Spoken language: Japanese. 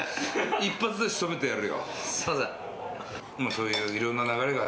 一発で仕留めてやるよ。